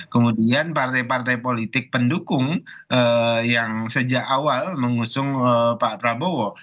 kemudian partai partai politik pendukung yang sejak awal mengusung pak prabowo